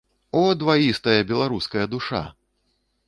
О, дваістая беларуская душа!